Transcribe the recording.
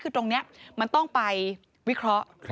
คือตรงนี้มันต้องไปวิเคราะห์